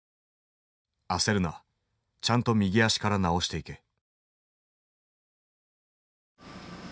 「あせるなちゃんと右足から直していけ」。